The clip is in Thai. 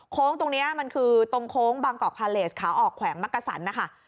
ตรงนี้มันคือตรงโค้งบางกอกพาเลสขาออกแขวงมักกะสันนะคะ